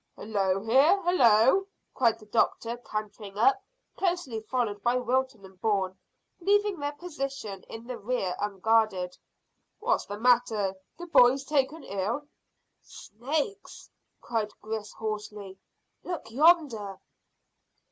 "Hallo, here! hallo!" cried the doctor, cantering up, closely followed by Wilton and Bourne, leaving their position in the rear unguarded. "What's the matter the boys taken ill?" "Snakes," cried Griggs hoarsely. "Look yonder."